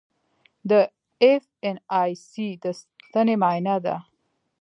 د ایف این ای سي د ستنې معاینه ده.